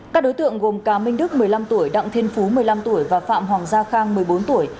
các đối tượng gồm cá minh đức một mươi năm tuổi đặng thiên phú một mươi năm tuổi và phạm hoàng gia khang một mươi bốn tuổi